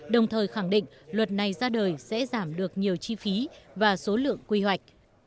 đồng thời khẳng định luật này ra đời sẽ giảm được nhiều chi phí và số lượng quy hoạch